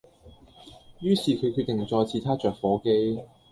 於是佢決定再次撻着火機